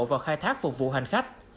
vào khai thác phục vụ hành khách